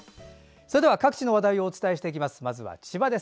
それでは各地の話題をお伝えします。